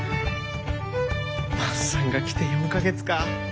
万さんが来て４か月か。